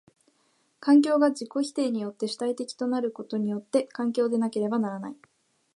環境が自己否定によって主体的となることによって環境でなければならない。